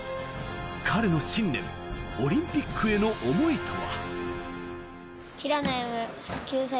彼の信念、オリンピックへの思いとは。